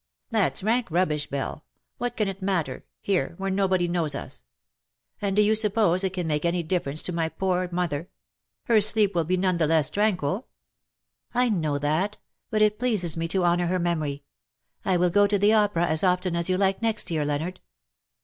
" That's rank rubbish. Belle. What can it matter — here, where nobody knows us? And do you suppose it can make any difference to my poor mother ? Her sleep will be none the less tranquil,^' '' I know that : but it pleases me to honour her memory. I will go to the opera as often as you like next year, Leonard.''